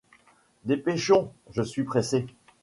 Dépêchons, je suis pressé.